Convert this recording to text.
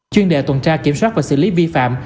chuyên đề tuần tra kiểm soát và xử lý vi phạm